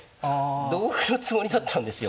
同歩のつもりだったんですよ実は。